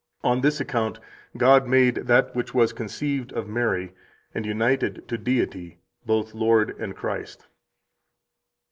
On this account God made that which was conceived of Mary and united to Deity both Lord and Christ."